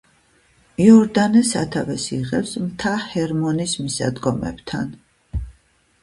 იორდანე სათავეს იღებს მთა ჰერმონის მისადგომებთან.